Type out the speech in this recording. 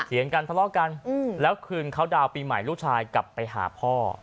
เสียงกันทะเลาะกันแล้วคืนเขาดาวน์ปีใหม่ลูกชายกลับไปหาพ่อ